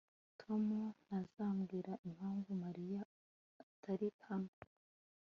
Tom ntazambwira impamvu Mariya atari hano